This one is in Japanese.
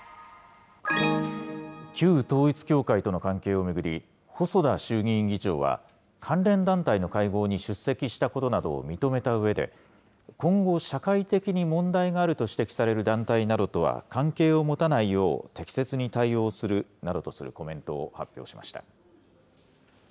旧統一教会との関係を巡り、細田衆議院議長は、関連団体の会合に出席したことなどを認めたうえで、今後、社会的に問題があると指摘される団体などとは、関係を持たないよう適切に対応するなどとするコメントを発表しました。